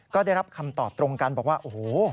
ก็ได้รับคำตอบตรงกันบอกว่าโอ้โห